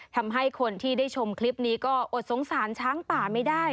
ทำให้คนที่ได้ชมคลิปนี้ก็อดสงสารช้างป่าไม่ได้